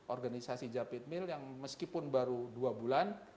organisasi jam pit mill yang meskipun baru dua bulan